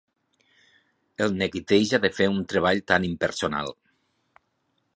El neguiteja de fer un treball tan impersonal.